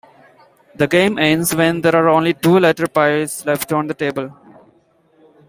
The game ends when there are only two letter piles left on the table.